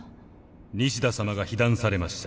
西田さまが被弾されました。